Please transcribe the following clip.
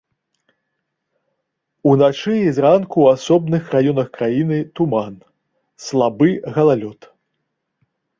Уначы і зранку ў асобных раёнах краіны туман, слабы галалёд.